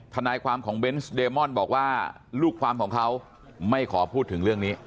ทนายความของเบนส์เดมอนบอกว่าลูกความของเขาไม่ขอพูดถึงเรื่องนี้